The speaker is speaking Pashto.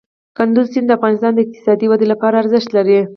کندز سیند د افغانستان د اقتصادي ودې لپاره ارزښت لري.